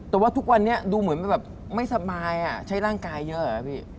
แต่ว่าทุกวันนี้ดูเหมือนแบบไม่สบายใช้ร่างกายเยอะเหรอพี่